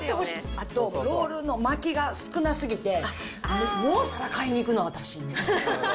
あとロールの巻きが少なすぎて、もうまた買いに行くの、私って。